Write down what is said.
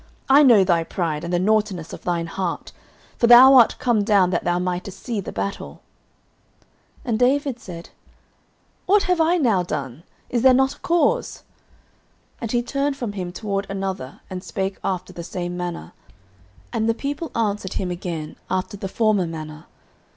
I know thy pride, and the naughtiness of thine heart; for thou art come down that thou mightest see the battle. 09:017:029 And David said, What have I now done? Is there not a cause? 09:017:030 And he turned from him toward another, and spake after the same manner: and the people answered him again after the former manner.